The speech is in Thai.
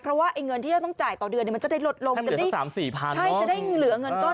เพราะว่าเงินที่ต้องจ่ายต่อเดือนจะลดลง